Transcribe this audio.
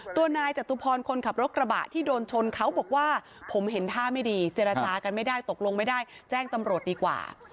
ตัวนายจตุพรคนขับรถกระบะที่โดนชนเขาบอกว่าผมเห็นท่าไม่ดีเจรจากันไม่ได้ตกลงไม่ได้แจ้งตำรวจดีกว่า